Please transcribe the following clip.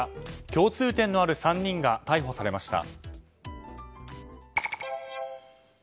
共通点のある３人が逮捕されました。